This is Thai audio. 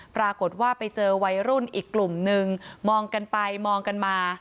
ปรากฏว่าไปเจอวัยรุ่นอีกกลุ่มนึงมองกันไปมองกันมา